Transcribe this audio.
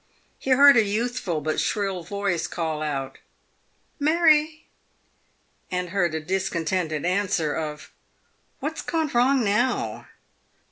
He heard a youthful but shrill voice call out " Mary !" and heard a discontented answer of —" What's gone wrong now